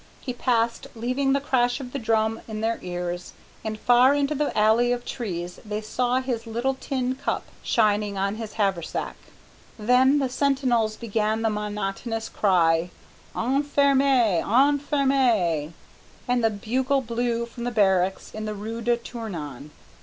He passed leaving the crash of the drum in their ears, and far into the alley of trees they saw his little tin cup shining on his haversack. Then the sentinels began the monotonous cry: "On ferme! on ferme!" and the bugle blew from the barracks in the rue de Tournon.